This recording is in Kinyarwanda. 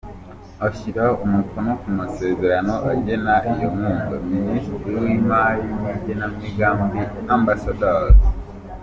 Ashyira umukono ku masezerano agena iyo nkunga, Minisitiri w’Imari n’Igenamigambi, Amb.